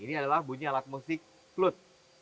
ini adalah bunyi alat musik flut